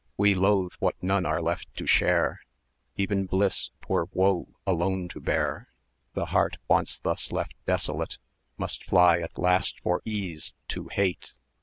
940 We loathe what none are left to share: Even bliss 'twere woe alone to bear; The heart once left thus desolate Must fly at last for ease to hate.